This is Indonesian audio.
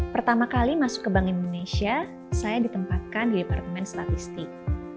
pertama kali masuk ke bank indonesia saya ditempatkan di departemen statistik